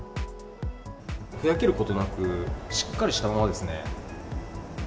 ふやけることなくしっかりしたままですね。